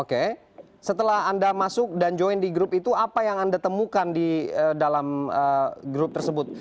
oke setelah anda masuk dan join di grup itu apa yang anda temukan di dalam grup tersebut